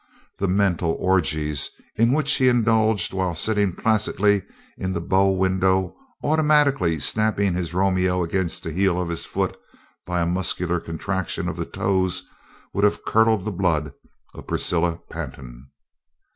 The mental orgies in which he indulged while sitting placidly in the bow window automatically snapping his Romeo against the heel of his foot by a muscular contraction of the toes would have curdled the blood of Priscilla Pantin.